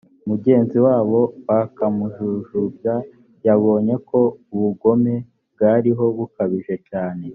mugenzi wabo bakamujujubya yabonye ko ubugome bwariho bukabije cyane